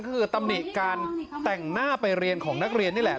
ก็คือตำหนิการแต่งหน้าไปเรียนของนักเรียนนี่แหละ